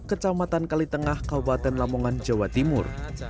kecamatan kalitengah kabupaten lamongan jawa timur